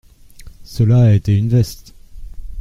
Cela a été une veste !